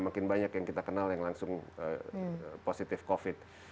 makin banyak yang kita kenal yang langsung positif covid